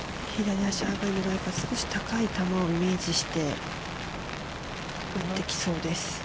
左足上がりなので、少し高い球をイメージして、打ってきそうです。